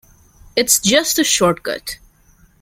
It's just a shortcut.